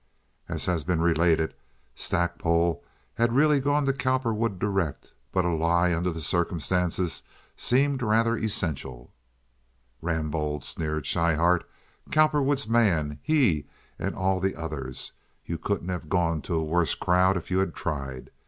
As has been related, Stackpole had really gone to Cowperwood direct, but a lie under the circumstances seemed rather essential. "Rambaud!" sneered Schryhart. "Cowperwood's man—he and all the others. You couldn't have gone to a worse crowd if you had tried.